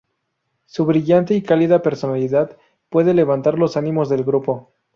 Su brillante y cálida personalidad puede levantar los ánimos del grupo.